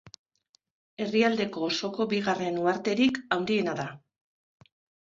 Herrialdeko osoko bigarren uharterik handiena da.